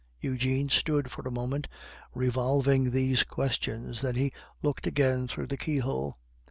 Eugene stood for a moment revolving these questions, then he looked again through the keyhole.